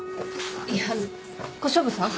いや小勝負さん。